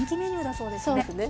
そうですね。